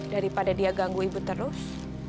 daripada dia ganggu ibu terus